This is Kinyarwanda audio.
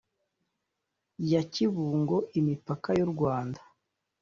ya kibungo imipaka y urwanda